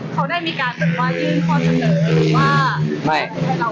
เขาได้มีการส่งไว้ข้อเสนอหรือว่าจะให้เล่าไหม